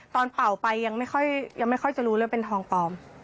เป่าไปยังไม่ค่อยจะรู้เรื่องเป็นทองปลอม